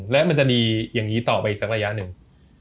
และมันจะดีอย่างนี้ต่อไปอีกสักระยะหนึ่ง